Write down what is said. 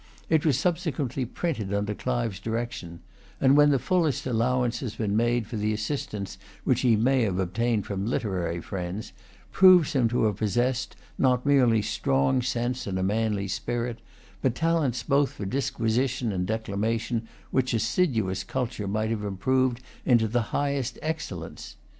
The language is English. It was subsequently printed under Clive's direction, and, when the fullest allowance has been made for the assistance which he may have obtained from literary friends, proves him to have possessed, not merely strong sense and a manly spirit, but talents both for disquisition and declamation which assiduous culture might have improved into the highest excellence.